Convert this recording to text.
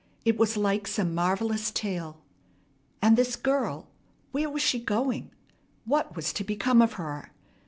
It was like some marvellous tale. And this girl! Where was she going? What was to become of her?